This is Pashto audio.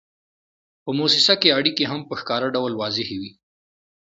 په موسسه کې اړیکې هم په ښکاره ډول واضحې وي.